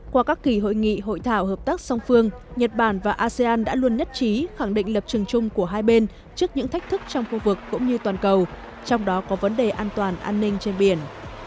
qua các kỳ hội nghị hội thảo hợp tác song phương nhật bản và asean đã luôn nhất trí khẳng định lập trường chung của hai bên trước những thách thức trong khu vực cũng như toàn cầu trong đó có vấn đề an toàn an ninh trên biển